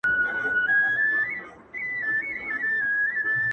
او ستا د خوب مېلمه به؛